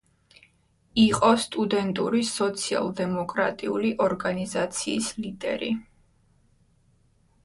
იყო სტუდენტური სოციალ-დემოკრატიული ორგანიზაციის ლიდერი.